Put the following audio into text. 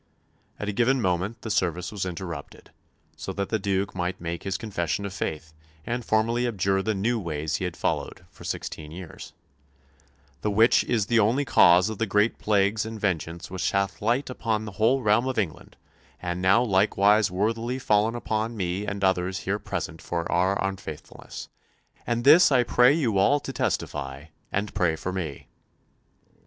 At a given moment the service was interrupted, so that the Duke might make his confession of faith and formally abjure the new ways he had followed for sixteen years, "the which is the only cause of the great plagues and vengeance which hath light upon the whole realm of England, and now likewise worthily fallen upon me and others here present for our unfaithfulness; ... and this I pray you all to testify, and pray for me."